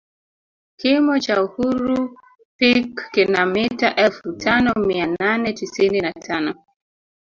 Kimo cha uhuru peak kina mita elfu tano mia nane tisini na tano